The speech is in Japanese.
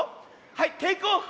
はいテイクオフ！